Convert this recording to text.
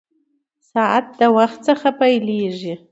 ساعت د وخت څخه پېلېږي.